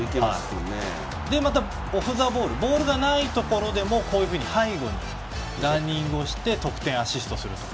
また、オフ・ザ・ボールボールがないところでも背後にランニングとして得点、アシストをすると。